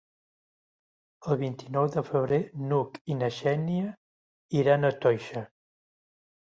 El vint-i-nou de febrer n'Hug i na Xènia iran a Toixa.